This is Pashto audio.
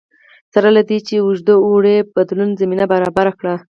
سره له دې چې اوږد اوړي بدلون زمینه برابره کړه